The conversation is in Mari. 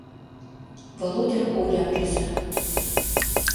— Володя Олям рӱза.